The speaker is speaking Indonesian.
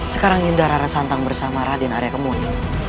sekarang yudha rarasantan bersama radin arya kemuni